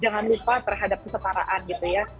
jangan lupa terhadap kesetaraan gitu ya